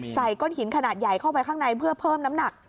ก้นหินขนาดใหญ่เข้าไปข้างในเพื่อเพิ่มน้ำหนัก